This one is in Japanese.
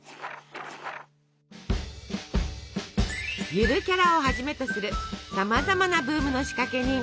ゆるキャラをはじめとするさまざまなブームの仕掛け人。